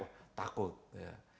wah takut ya